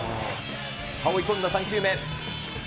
追い込んだ３球目。